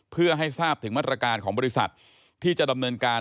เพื่อให้ทราบถึงมาตรการของบริษัทที่จะดำเนินการ